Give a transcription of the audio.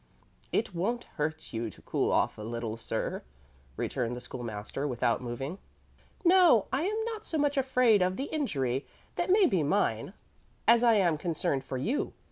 "It won't hurt you to cool off a little, sir," returned the School master, without moving. "No, I am not so much afraid of the injury that may be mine as I am concerned for you.